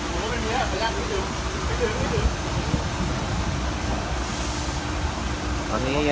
ตอนนี้ยังมีไฟนะครับผมยังไหม้อยู่